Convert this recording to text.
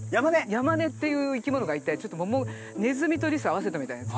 ヤマネっていう生き物がいてちょっとネズミとリスを合わせたみたいなやつ。